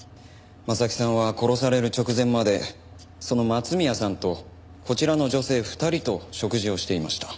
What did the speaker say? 征木さんは殺される直前までその松宮さんとこちらの女性２人と食事をしていました。